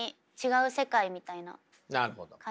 なるほど。